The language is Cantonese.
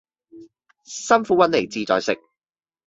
辛苦搵嚟志在食